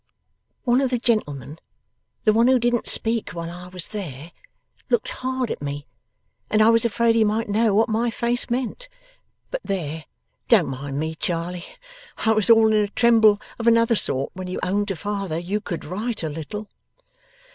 'One of the gentlemen, the one who didn't speak while I was there, looked hard at me. And I was afraid he might know what my face meant. But there! Don't mind me, Charley! I was all in a tremble of another sort when you owned to father you could write a little.